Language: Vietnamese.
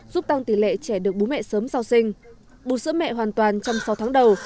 giúp tăng tỷ lệ trẻ được bố mẹ sớm sau sinh bù sữa mẹ hoàn toàn trong sáu tháng đầu